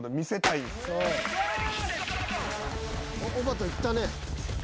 おばた行ったね。